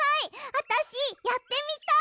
あたしやってみたい！